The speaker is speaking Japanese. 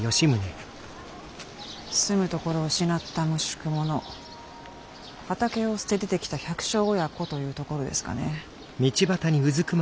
住むところを失った無宿者畑を捨て出てきた百姓親子というところですかね。